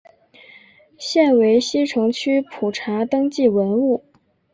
现为西城区普查登记文物。